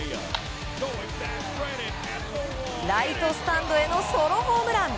ライトスタンドへのソロホームラン！